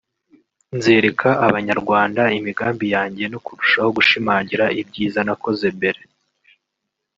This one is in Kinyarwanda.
nzereka Abanyarwanda imigambi yanjye no kurushaho gushimangira ibyiza nakoze mbere